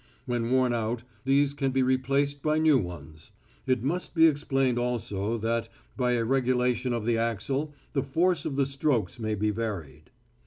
When worn out these can be replaced by new ones. It must be explained also that, by a regulation of the axle, the force of the strokes may be varied.